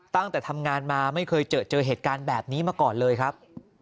ตั้งแต่ทำงานมาไม่เคยเจอเจอเหตุการณ์แบบนี้มาก่อนเลยครับ